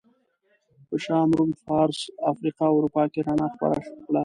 په شام، روم، فارس، افریقا او اروپا کې رڼا خپره کړه.